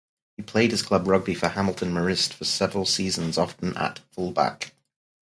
He played his club rugby for Hamilton Marist for several seasons, often at fullback.